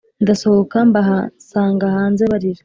ndasohoka mbasanga hanze barira